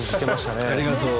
ありがとう。